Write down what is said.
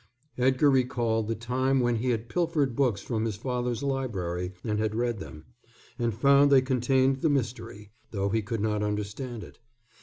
Edgar recalled the time when he had pilfered books from his father's library and had read them, and found they contained the mystery, though he could not understand it.